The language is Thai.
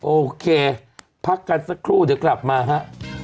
โอเคพักกันสักครู่เดี๋ยวกลับมาฮะ